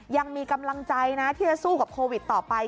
ยังมีกำลังใจนะที่จะสู้กับโควิดต่อไป